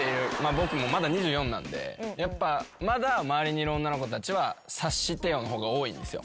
僕もまだ２４なんでやっぱまだ周りにいる女の子たちは「察してよ」の方が多いんですよ。